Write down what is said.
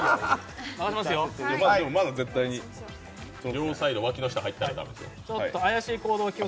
両サイド、脇の下に入ったら駄目ですよ。